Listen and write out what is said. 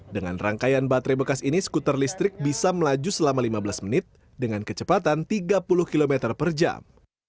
dengan rangkaian baterai bekas ini skuter listrik bisa melaju selama lima belas menit dengan kecepatan tiga puluh km per jam